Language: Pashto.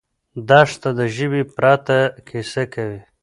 دښته د ژبې پرته کیسه کوي.